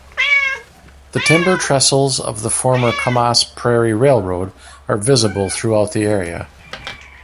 The timber trestles of the former Camas Prairie Railroad are visible throughout the area.